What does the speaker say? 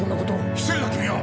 失礼だ君は！